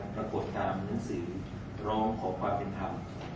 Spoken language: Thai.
ปรากฏตามหนังสือร้องขอความเป็นธรรม